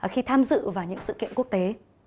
khi tham dự vào những sự kiện quốc tế